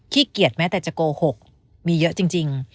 เกลียดแม้แต่จะโกหกมีเยอะจริง